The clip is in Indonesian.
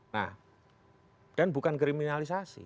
nah dan bukan kriminalisasi